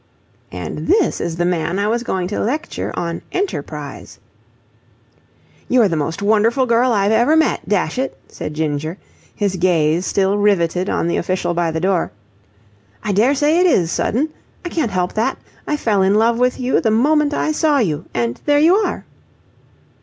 "And this is the man I was going to lecture on 'Enterprise.'" "You're the most wonderful girl I've ever met, dash it!" said Ginger, his gaze still riveted on the official by the door "I dare say it is sudden. I can't help that. I fell in love with you the moment I saw you, and there you are!"